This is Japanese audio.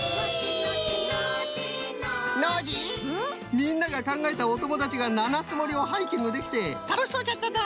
みんながかんがえたおともだちが七ツ森をハイキングできてたのしそうじゃったな。